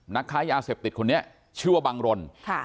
นักค้ายาเสพติดคนนี้เชื่อบังรณ